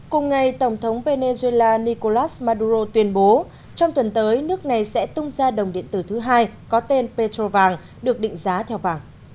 cùng ngày tổng thống venezuela nicolás maduro tuyên bố trong tuần tới nước này sẽ tung ra đồng điện tử thứ hai có tên petrovàng được định giá theo vàng